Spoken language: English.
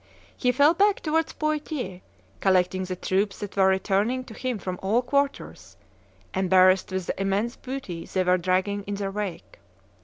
He fell back towards Poitiers, collecting the troops that were returning to him from all quarters, embarrassed with the immense booty they were dragging in their wake.